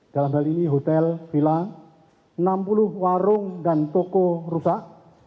dalam hal ini hotel villa enam puluh warung dan toko rusak